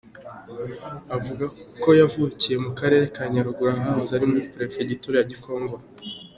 Avuga ko yavukiye mu karere ka Nyaruguru, ahahoze ari muri perefegitura ya Gikongoro.